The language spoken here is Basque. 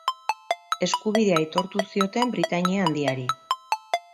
Eskubidea aitortu zioten Britainia Handiari.